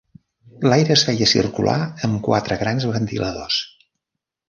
L'aire es feia circular amb quatre grans ventiladors.